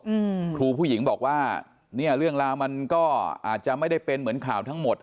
อืมครูผู้หญิงบอกว่าเนี้ยเรื่องราวมันก็อาจจะไม่ได้เป็นเหมือนข่าวทั้งหมด